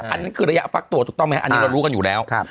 อันนั้นคือระยะฟักตัวถูกต้องไหมครับอันนี้เรารู้กันอยู่แล้ว